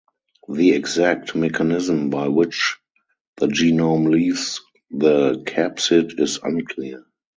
The exact mechanism by which the genome leaves the capsid is unclear.